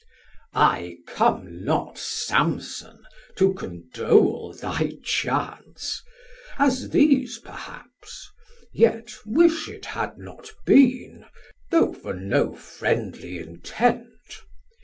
Har: I come not Samson, to condole thy chance, As these perhaps, yet wish it had not been, Though for no friendly intent.